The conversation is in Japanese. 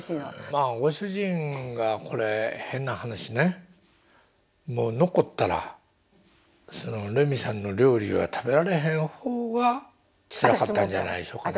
まあご主人がこれ変な話ねもう残ったらレミさんの料理が食べられへん方がつらかったんじゃないでしょうかね。